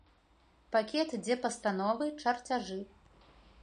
Пакет, дзе пастановы, чарцяжы.